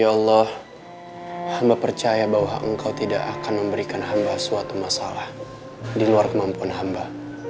ya allah hamba percaya bahwa engkau tidak akan memberikan hamba suatu masalah di luar kemampuan hamba